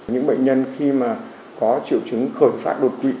những bệnh nhân khi mà có triệu chứng khởi phát đột quỵ